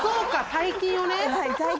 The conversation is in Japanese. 大金をね。